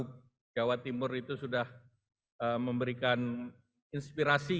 bahwa jawa timur itu sudah memberikan inspirasi